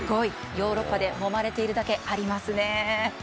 ヨーロッパでもまれているだけありますね。